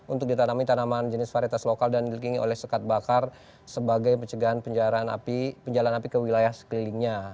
untuk ditanami tanaman jenis varietas lokal dan dilikingi oleh sekat bakar sebagai pencegahan api ke wilayah sekelilingnya